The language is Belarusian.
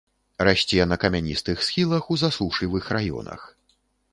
Расце на камяністых схілах у засушлівых раёнах.